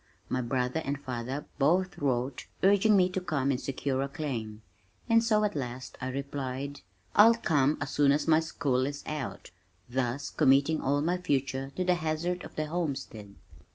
My brother and father both wrote urging me to come and secure a claim, and so at last I replied, "I'll come as soon as my school is out," thus committing all my future to the hazard of the homestead.